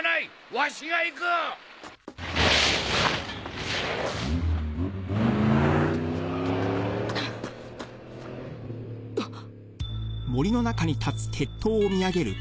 わしが行く！あっ！？